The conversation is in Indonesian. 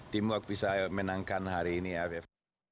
teamwork bisa menangkan hari ini aff